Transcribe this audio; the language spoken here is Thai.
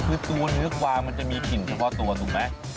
คือตัวเนื้อกวางมันจะมีกลิ่นเฉพาะตัวถูกไหม